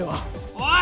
おい！